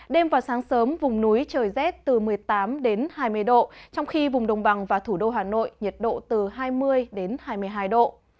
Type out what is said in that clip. đêm và sáng sớm vùng núi trời rét từ một mươi tám hai mươi độ trong khi vùng đồng bằng và thủ đô hà nội nhiệt độ từ hai mươi đến hai mươi hai độ